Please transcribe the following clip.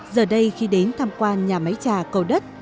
giờ đây khi đến tham quan nhà máy trà cầu đất